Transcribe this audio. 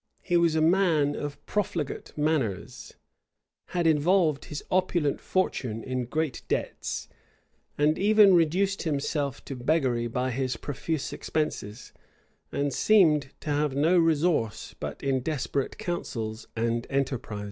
He was a man of profligate manners; had involved his opulent fortune in great debts, and even reduced himself to beggary by his profuse expenses;[] and seemed to have no resource but in desperate counsels and enterprises.